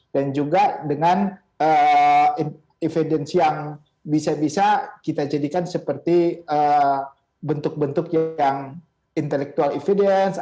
dan juga dengan evidence yang bisa bisa kita jadikan seperti bentuk bentuk yang intellectual evidence